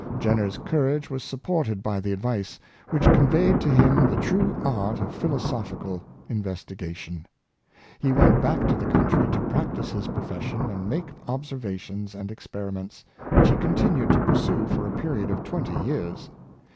*" Jenner 's courage was supported by the advice, which conveyed to him the true art of philosophical investigation. He went back to the country to practice his profession and make observations and experiments, which he continued to pursue for a period of twenty years.